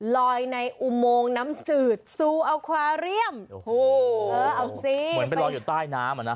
ลอยในอุโมงน้ำจืดซูอัลควาเรียมโอ้โหเอาสิเหมือนไปลอยอยู่ใต้น้ำอ่ะนะ